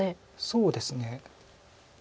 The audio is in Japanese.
そうですね。